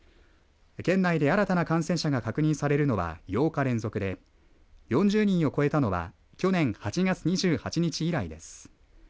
県内で新たな感染者が確認されるのは８日連続で４０人を超えたのは去年８月２８日以来です。